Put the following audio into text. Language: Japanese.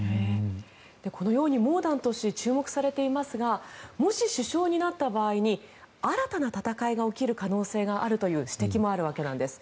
このようにモーダント氏が注目されていますがもし首相になった場合に新たな戦いが起きる可能性があるという指摘もあるわけなんです。